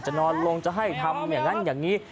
นอนลงจะให้ทำอย่างนั้นอย่างนี้